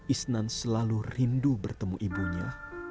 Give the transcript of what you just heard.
isnan selalu rindu bertemu ibunya